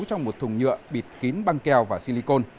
trong một thùng nhựa bịt kín băng keo và silicon